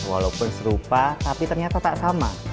walaupun serupa tapi ternyata tak sama